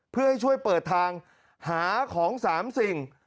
เพื่อให้ช่วยเปิดทางหาของ๓สิ่ง